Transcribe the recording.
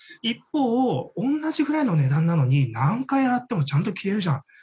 一方「同じぐらいの値段なのに何回洗ってもちゃんと着れるじゃん」